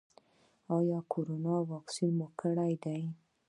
ایا د کرونا واکسین مو کړی دی؟